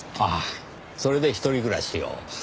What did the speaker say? ああそれで一人暮らしを。